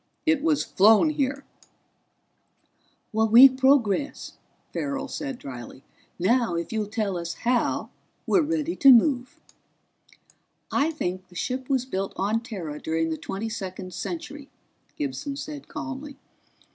It was flown here." "We progress," Farrell said dryly. "Now if you'll tell us how, we're ready to move." "I think the ship was built on Terra during the Twenty second Century," Gibson said calmly.